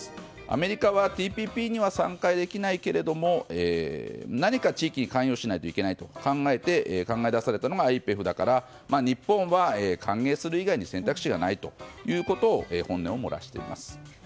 アメリカはＴＰＰには参加できないけれども何か地域に関与しないといけないと考えて考え出されたのがＩＰＥＦだから、日本は歓迎する以外に選択肢がないという本音を漏らしています。